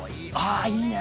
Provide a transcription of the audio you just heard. あいいね！